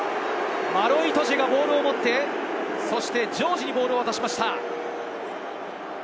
マロ・イトジェがボールを持ってジョージにボールを渡しました。